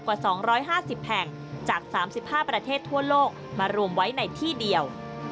กว่า๒๕๐แห่งจาก๓๕ประเทศทั่วโลกมารวมไว้ในที่เดียว